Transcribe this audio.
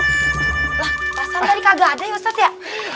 pak sandari kagak ada ya ustadz ya